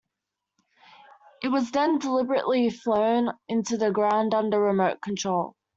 It was then deliberately flown into the ground under remote control.